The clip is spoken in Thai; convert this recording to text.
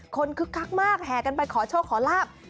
คึกคักมากแห่กันไปขอโชคขอลาบ